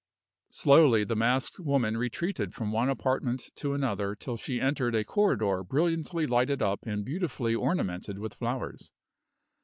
Slowly the masked woman retreated from one apartment to another till she entered a corridor brilliantly lighted up and beautifully ornamented with flowers.